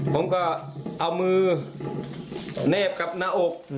ผมก็เอามือเนบกับหน้าอก